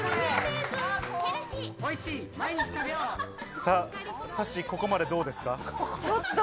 さっしー、ここまでどうですか？